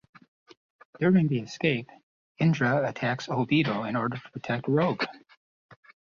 During the escape, Indra attacks Olvido in order to protect Rogue.